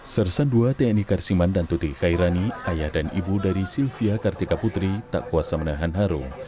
sersan ii tni karsiman dan tuti khairani ayah dan ibu dari sylvia kartika putri tak kuasa menahan harum